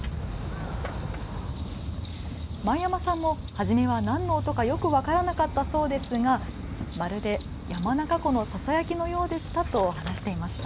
前山さんも初めは何の音かよく分からなかったそうですがまるで山中湖のささやきのようでしたと話していました。